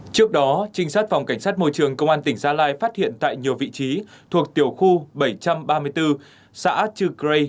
trước đó trinh sát phòng cảnh sát môi trường công an tỉnh gia lai phát hiện tại nhiều vị trí thuộc tiểu khu bảy trăm ba mươi bốn xã chư rê